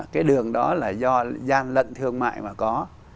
cái đường đó là do gian lận thương mại mà có